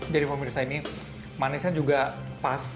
jadi pemirsa ini manisnya juga pas